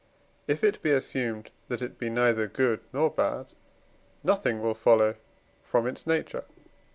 If it be assumed that it be neither good nor bad, nothing will follow from its nature (IV.